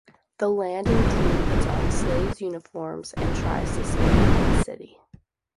The landing team puts on slaves' uniforms and tries to sneak into the city.